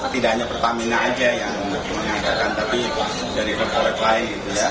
tidak hanya pertamina saja yang membuat penganggaran tapi dari republik lain